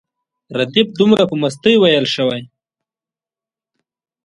ردیف دومره په مستۍ ویل شوی.